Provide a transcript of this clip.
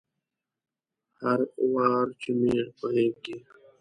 هر وار چې مې په غیږ کې